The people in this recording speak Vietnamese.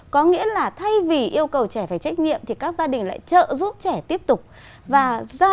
có nghĩa là thay vì yêu cầu trẻ phải trách nhiệm thì các gia đình lại trợ giúp trẻ tiếp tục và ra